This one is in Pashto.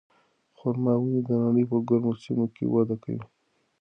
خورما ونې د نړۍ په ګرمو سیمو کې وده کوي.